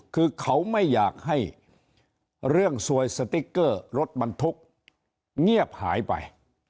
คือเขาไม่อยากให้เรื่องสวยสติ๊กเกอร์รถบรรทุกเงียบหายไป